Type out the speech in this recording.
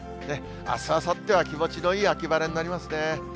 あす、あさっては気持ちのいい秋晴れになりますね。